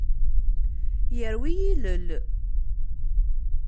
Yerwi yilel.